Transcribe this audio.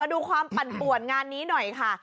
ดูความปั่นป่วนงานนี้หน่อยค่ะ